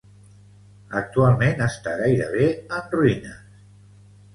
Actualment està gairebé en ruïnes.